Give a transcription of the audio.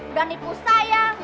udah nipu sayang